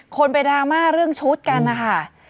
คนไปดราม่าเรื่องชุดกันนะคะ